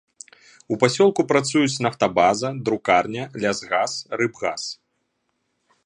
У пасёлку працуюць нафтабаза, друкарня, лясгас, рыбгас.